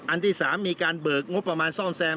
อันที่๓มีการเบิกงบประมาณซ่อมแซม